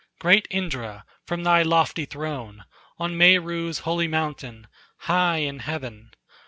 great Indra, from thy lofty throne On Meru's holy mountain, high in heaven.